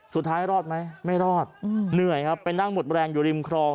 สุดท้ายรอดไหมไม่รอดเหนื่อยครับไปนั่งหมดแรงอยู่ริมครอง